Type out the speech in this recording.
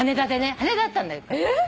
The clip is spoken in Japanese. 羽田だったんだよ。えっ！？